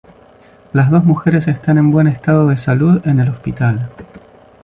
Las dos mujeres están en buen estado de salud en el hospital.